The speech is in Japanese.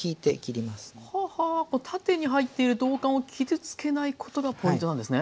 縦に入っている道管を傷つけないことがポイントなんですね？